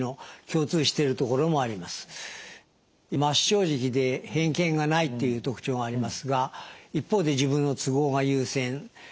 真っ正直で偏見がないっていう特徴がありますが一方で自分の都合が優先融通が利かないと。